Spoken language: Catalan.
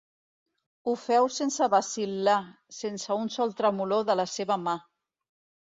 Ho féu sense vacil·lar, sense un sol tremolor de la seva mà.